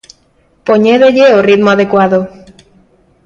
Poñédelle o ritmo adecuado.